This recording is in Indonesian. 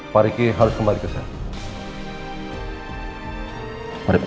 pak riki harus kembali ke sana